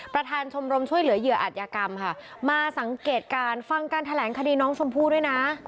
ประธานชมรมช่วยเหลือเหยื่ออัธยกรรมค่ะมาสังเกตการณ์ฟังการแถลงคดีน้องชมพู่ด้วยนะ